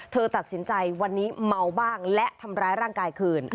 เธอตัดสินใจวันนี้เมาบ้างและทำร้ายร่างกายคืน